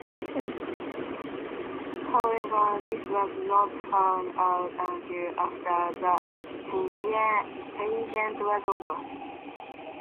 However, this was not found out until after the pageant was over.